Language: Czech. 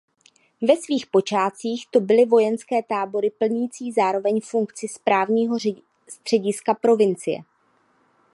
Ve svých počátcích to byly vojenské tábory plnící zároveň funkci správního střediska provincie.